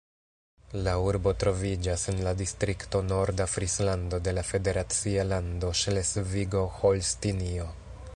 La urbo troviĝas en la distrikto Norda Frislando de la federacia lando Ŝlesvigo-Holstinio.